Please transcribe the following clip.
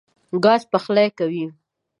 ګاز پخلی کوي.